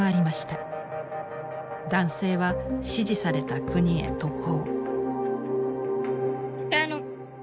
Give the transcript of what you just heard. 男性は指示された国へ渡航。